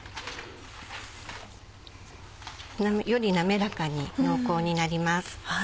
より滑らかに濃厚になります。